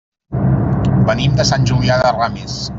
Venim de Sant Julià de Ramis.